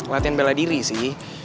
latihan bela diri sih